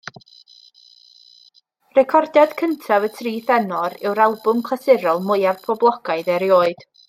Recordiad cyntaf y Tri Thenor yw'r albwm clasurol mwyaf poblogaidd erioed.